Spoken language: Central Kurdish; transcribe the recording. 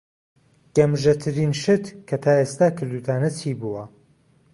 گەمژەترین شت کە تا ئێستا کردووتانە چی بووە؟